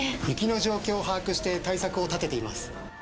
雪の状況を把握して対策を立てています。